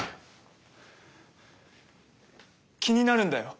気になるんだよ